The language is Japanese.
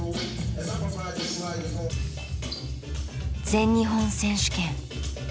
全日本選手権。